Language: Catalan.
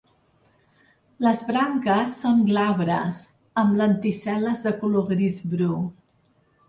Les branques són glabres, amb lenticel·les de color gris bru.